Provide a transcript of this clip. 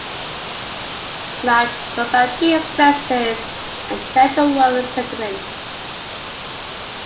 Madhuvanti expresses a gentle loving sentiment.